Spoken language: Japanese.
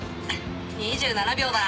２７秒だ。